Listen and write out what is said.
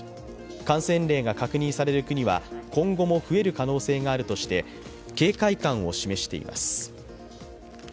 感染例が確認される国は今後も増える可能性があるとして、警戒感を示しています。